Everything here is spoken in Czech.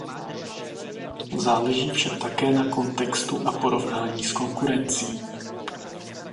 Záleží však také na kontextu a porovnání s konkurencí.